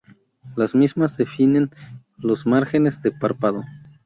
Las mismas definen los márgenes del párpado.